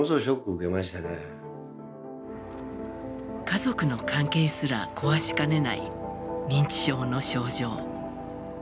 家族の関係すら壊しかねない認知症の症状。